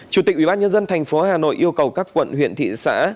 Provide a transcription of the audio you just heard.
chủ tịch ủy ban nhân dân tp hà nội yêu cầu các quận huyện thị xã